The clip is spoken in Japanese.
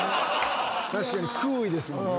確かに空位ですもんね。